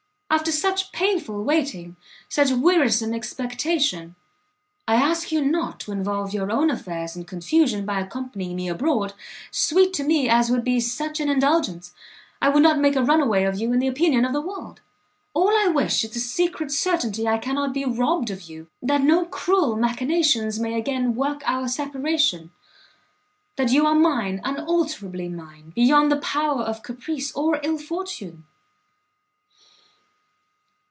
after such painful waiting, such wearisome expectation! I ask you not to involve your own affairs in confusion by accompanying me abroad; sweet to me as would be such an indulgence, I would not make a run away of you in the opinion of the world. All I wish is the secret certainty I cannot be robbed of you, that no cruel machinations may again work our separation, that you are mine, unalterably mine, beyond the power of caprice or ill fortune."